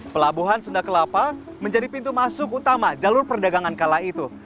pelabuhan sunda kelapa menjadi pintu masuk utama jalur perdagangan kala itu